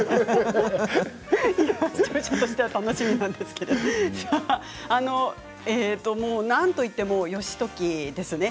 視聴者としては楽しみですがなんといっても義時ですね。